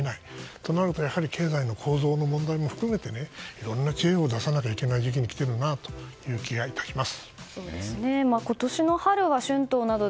となると経済の構造の問題も含めて知恵を出さないといけない時期にきているなという気がいたします。